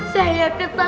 makan kue ketan